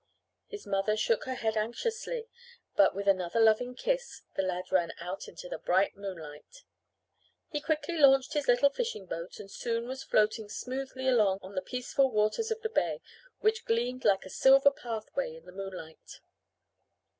His mother shook her head anxiously, but, with another loving kiss, the lad ran out into the bright moonlight. He quickly launched his little fishing boat and soon was floating smoothly along on the peaceful waters of the bay which gleamed like a silver pathway in the moonlight.